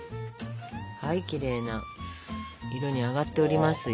きれいな色に揚がっておりますよ。